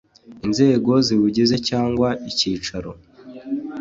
inzego ziwugize cyangwa icyicaro